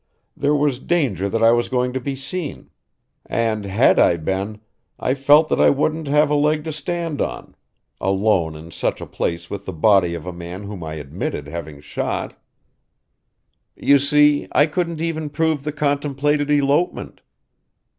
There was danger that I was going to be seen and, had I been, I felt that I wouldn't have a leg to stand on; alone in such a place with the body of a man whom I admitted having shot "You see, I couldn't even prove the contemplated elopement.